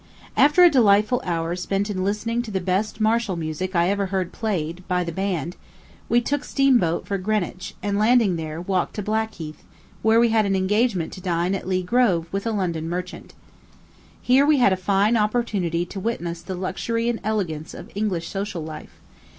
After a delightful hour spent in listening to the best martial music I ever heard played, by the band, we took steamboat for Greenwich, and, landing there, walked to Blackheath, where we had an engagement to dine at Lee Grove with a London merchant. Here we had a fine opportunity to witness the luxury and elegance of English social life.